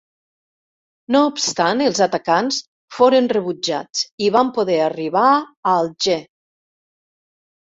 No obstant els atacants foren rebutjats i van poder arribar a Alger.